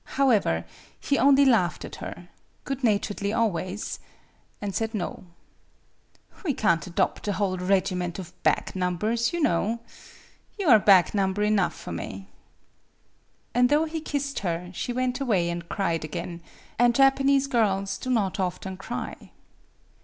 However, he only laughed at her, good naturedly al ways, and j>aid no. " We can't adopt a whole regiment of back numbers, you know. You are back number enough for me." And though he kissed her, she went away and cried again; and Japanese girls do not often cry.